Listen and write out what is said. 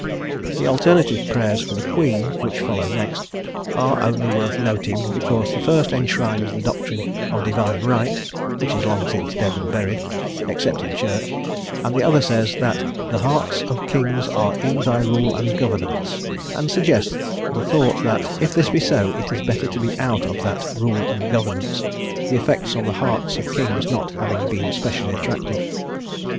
The alternative prayers for the Queen, which follow next, are only worth noting, because the first enshrines the doctrine of divine right, which is long since dead and buried, except in church; and the other says "that the hearts of Kings are in thy rule and governance," and suggests the thought that, if this be so, it is better to be out of that "rule and governance," the effects on the hearts of Kings not having been specially attractive.